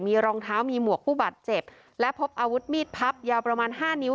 มีรองเท้ามีหมวกผู้บาดเจ็บและพบอาวุธมีดพับยาวประมาณห้านิ้ว